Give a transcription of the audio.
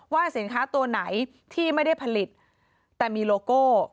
สินค้าตัวไหนที่ไม่ได้ผลิตแต่มีโลโก้